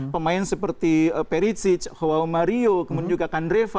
pemain seperti perisic hoau mario kemudian juga kandreva